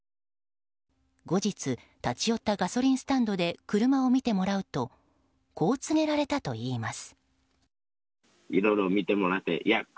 後日、立ち寄ったガソリンスタンドで車を見てもらうとこう告げられたといいます。